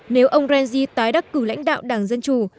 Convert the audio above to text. nếu ông rengji tái đắc cử lãnh đạo đảng dân chủ